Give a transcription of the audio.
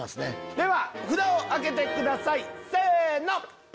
では札を挙げてくださいせの！